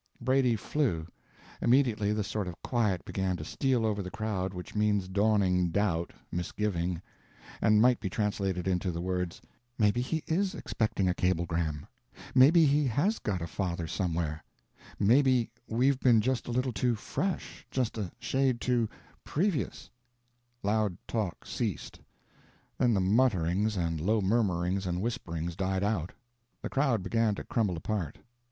Brady flew. Immediately the sort of quiet began to steal over the crowd which means dawning doubt, misgiving; and might be translated into the words, "Maybe he is expecting a cablegram—maybe he has got a father somewhere—maybe we've been just a little too fresh, just a shade too 'previous'!" Loud talk ceased; then the mutterings and low murmurings and whisperings died out. The crowd began to crumble apart.